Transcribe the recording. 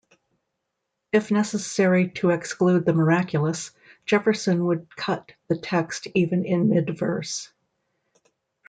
If necessary to exclude the miraculous, Jefferson would cut the text even in mid-verse.